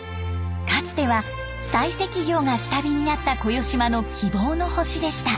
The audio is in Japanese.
かつては採石業が下火になった小与島の希望の星でした。